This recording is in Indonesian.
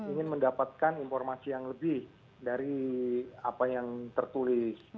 ingin mendapatkan informasi yang lebih dari apa yang tertulis